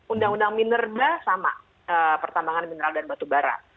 undang undang minerda sama pertambangan mineral dan batu bara